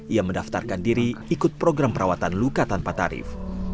ia mendaftarkan diri ikut program perawatan luka tanpa tarif